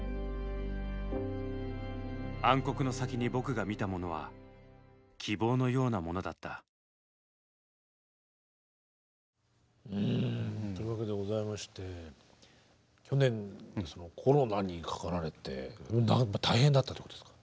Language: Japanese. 「暗黒の先に僕が見たものは希望のようなものだった」。というわけでございまして去年コロナにかかられてやっぱ大変だったってことですか？